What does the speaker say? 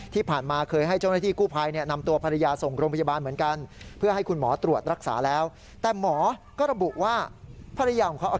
ที่ผ่านมาเคยให้เจ้าหน้าที่กู้ภัยนำตัวภรรยาส่งโรงพยาบาลเหมือนกัน